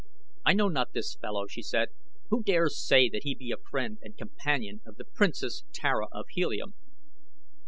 "I know not this fellow," she said. "Who dares say that he be a friend and companion of the Princess Tara of Helium?"